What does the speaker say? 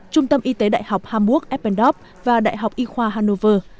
trung tâm y tế đại học hamburg appendorb và đại học y khoa hannover